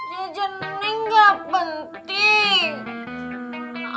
jajan neng gak penting